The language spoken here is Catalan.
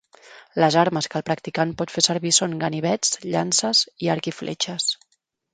Les armes que el practicant pot fer servir són ganivets, llances i arc i fletxes.